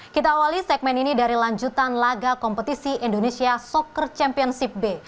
kita awali segmen ini dari lanjutan laga kompetisi indonesia soccer championship b